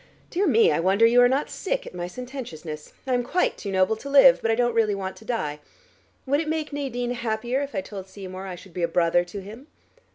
Dear me, I wonder you are not sick at my sententiousness. I am quite too noble to live, but I don't really want to die. Would it make Nadine happier if I told Seymour I should be a brother to him?"